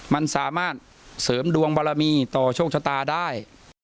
มันสามารถเสริมดวงบารมีต่อโชคชะตาได้